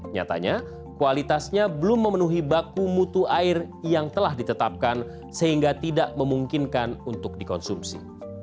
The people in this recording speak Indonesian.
nyatanya kualitasnya belum memenuhi baku mutu air yang telah ditetapkan sehingga tidak memungkinkan untuk dikonsumsi